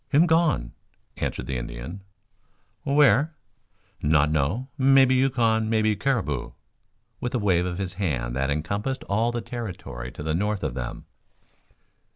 "Him gone," answered the Indian. "Where?" "Not know. Mebby Yukon, mebby Caribou," with a wave of his hand that encompassed all the territory to the north of them.